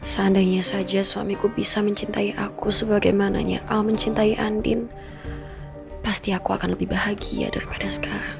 seandainya saja suamiku bisa mencintai aku sebagaimananya al mencintai andin pasti aku akan lebih bahagia daripada sekarang